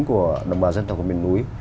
của đồng bào dân tộc miền núi